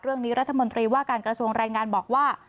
เรื่องนี้รัฐมนตรีว่าการกระทรวงแรงงานบอกว่า